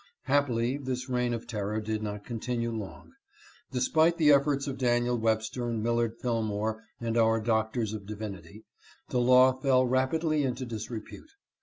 Happily this reign of terror did not continue long. Despite the efforts of Daniel Webster and Millard Fillmore and our Doctors of Divinity, the law fell rapidly into . disrepute.